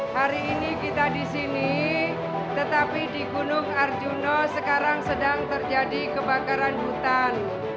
hari ini kita di sini tetapi di gunung arjuna sekarang sedang terjadi kebakaran hutan